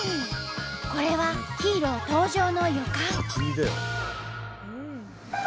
これはヒーロー登場の予感！